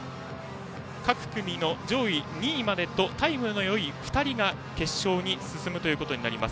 各組の上位２位までとタイムのいい２人が決勝に進むということになります。